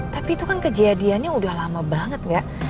tapi itu kan kejadiannya udah lama banget gak